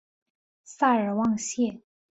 塞尔旺谢。